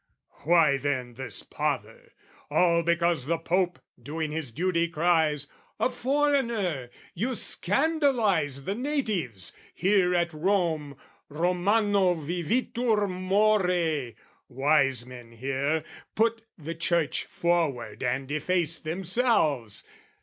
"Why then this pother? all because the Pope "Doing his duty, cries 'A foreigner, "'You scandalise the natives: here at Rome "'Romano vivitur more: wise men, here, "'Put the Church forward and efface themselves.